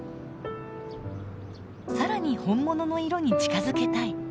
更に本物の色に近づけたい。